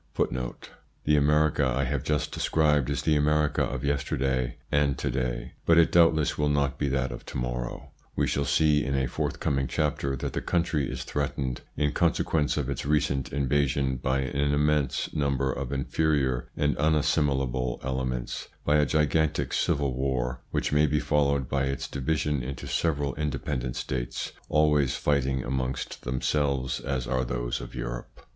1 We have just seen what has been accomplished in 1 The America I have just described is the America of yesterday and to day, but it doubtless will not be that of to morrow. We shall see in a forthcoming chapter that the country is threatened, in consequence of its recent invasion by an immense number of inferior and unassimilable elements, by a gigantic civil war, which may be followed by its division into several independent States, always fighting amongst themselves as are those of Europe.